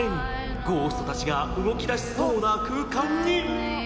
ゴーストたちが動き出しそうな空間に。